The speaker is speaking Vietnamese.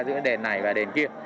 giữa đền này và đền kia